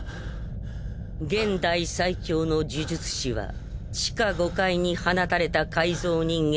現代最強の呪術師は地下５階に放たれた改造人間